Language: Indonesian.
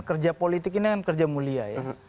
kerja politik ini kan kerja mulia ya